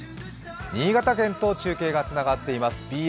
新潟県と中継がつながっています。